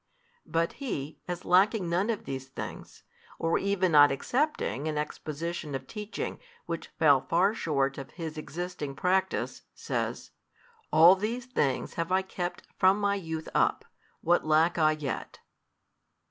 But he, as lacking none of these things, or even not accepting an exposition of teaching which fell far short of his existing practice, says. All these things have I kept from my youth up, what lack I yet?